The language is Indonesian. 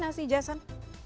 kayak gimana sih jason